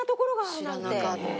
知らなかった。